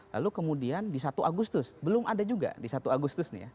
lalu kemudian di satu agustus belum ada juga di satu agustus nih ya